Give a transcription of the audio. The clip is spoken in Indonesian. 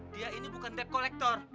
dia ini bukan dev kolektor